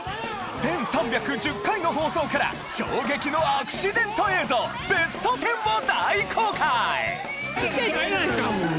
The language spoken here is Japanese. １３１０回の放送から衝撃のアクシデント映像ベスト１０を大公開！